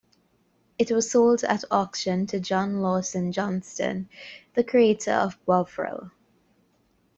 It was sold at auction to John Lawson Johnston, the creator of Bovril.